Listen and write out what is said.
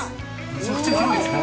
めちゃくちゃ広いですね。